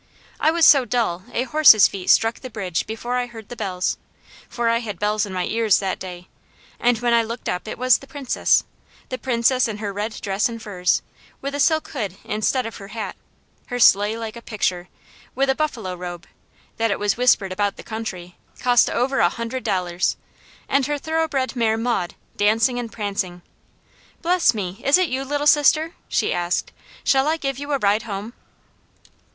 I was so dull a horse's feet struck the bridge before I heard the bells for I had bells in my ears that day and when I looked up it was the Princess the Princess in her red dress and furs, with a silk hood instead of her hat, her sleigh like a picture, with a buffalo robe, that it was whispered about the country, cost over a hundred dollars, and her thoroughbred mare Maud dancing and prancing. "Bless me! Is it you, Little Sister?" she asked. "Shall I give you a ride home?"